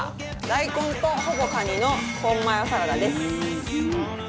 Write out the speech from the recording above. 大根とほぼカニのポンマヨサラダです。